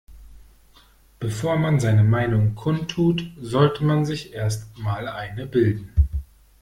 Bevor man seine Meinung kundtut, sollte man sich erst mal eine bilden.